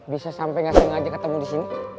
bisa sampe gak sengaja ketemu disini